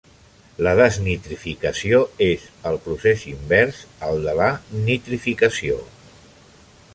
La desnitrificació és el procés invers al de la nitrificació.